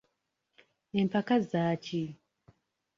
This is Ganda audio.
Empaka za ki?